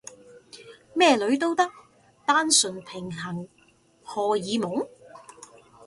咩女都得？單純平衡荷爾蒙？